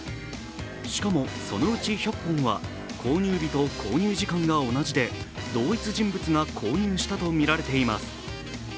しかも、そのうち１００本は購入日と購入時間が同じで同一人物が購入したとみられています。